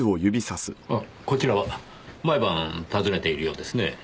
あっこちらは毎晩訪ねているようですねぇ。